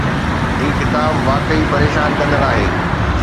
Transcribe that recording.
هي ڪتاب واقعي پريشان ڪندڙ آهي.